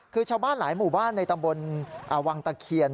คือชาวบ้านหลายหมู่บ้านในตำบลวังตะเคียน